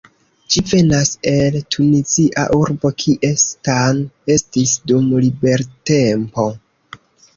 Ĝi venas el Tunizia urbo kie Stan estis dum libertempo.